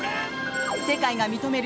世界が認める